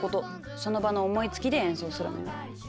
その場の思いつきで演奏するのよ。